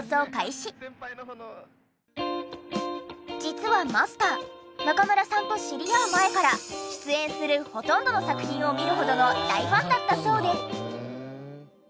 実はマスター中村さんと知り合う前から出演するほとんどの作品を見るほどの大ファンだったそうで。